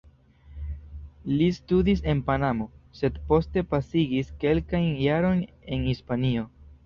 Li studis en Panamo, sed poste pasigis kelkajn jarojn en Hispanio.